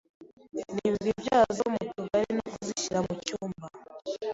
n’ibigwi byazo mu Tugari no kuzishyira mu cyumba